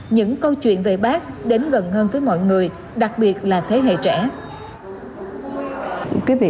những câu chuyện về bác đến gần hơn với mọi người đặc biệt là thế hệ trẻ